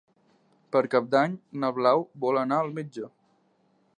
Per Cap d'Any na Blau vol anar al metge.